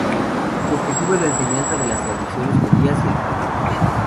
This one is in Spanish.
Su objetivo es la enseñanza de las tradiciones judías y el Talmud.